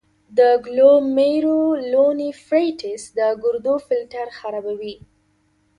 د ګلومیرولونیفریټس د ګردو فلټر خرابوي.